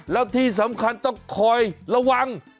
แล้วที่สำคัญต้องคอยระวัง